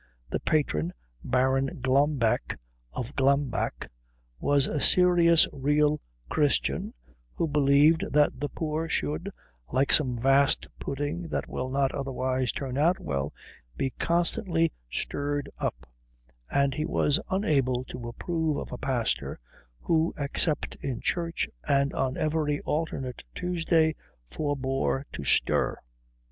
The patron, Baron Glambeck of Glambeck, was a serious real Christian who believed that the poor should, like some vast pudding that will not otherwise turn out well, be constantly stirred up, and he was unable to approve of a pastor who except in church and on every alternate Tuesday forbore to stir.